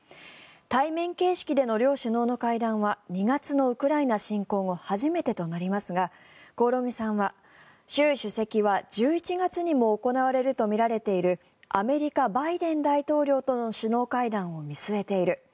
対面形式での両首脳の会談は２月のウクライナ侵攻後初めてとなりますが興梠さんは習主席は、１１月にも行われるとみられているアメリカ、バイデン大統領との首脳会談を見据えている。